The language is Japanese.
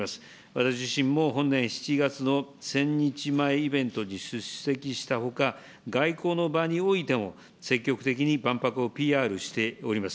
私自身も本年７月の千日前イベントに出席したほか、外交の場においても、積極的に万博をＰＲしてまいります。